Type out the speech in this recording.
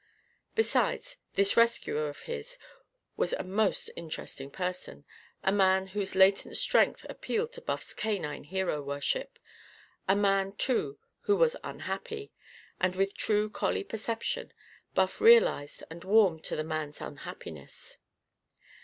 Besides, this rescuer of his was a most interesting person, a man whose latent strength appealed to Buff's canine hero worship; a man, too, who was unhappy. And, with true collie perception, Buff realised and warmed to the human's unhappiness.